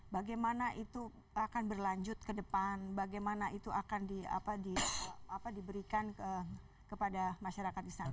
bagaimana itu akan berlanjut ke depan bagaimana itu akan diberikan kepada masyarakat di sana